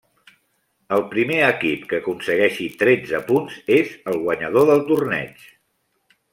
El primer equip que aconsegueixi tretze punts és el guanyador del torneig.